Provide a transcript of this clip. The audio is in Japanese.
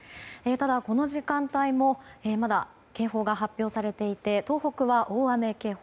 ただ、この時間帯もまだ警報が発表されていて東北は大雨警報